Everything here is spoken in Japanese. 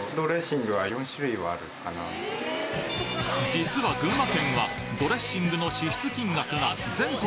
実は群馬県はドレッシングの支出金額が全国